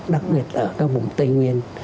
đặc biệt ở các vùng tây nguyên